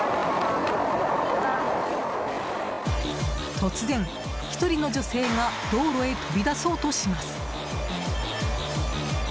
突然１人の女性が道路へ飛び出そうとします。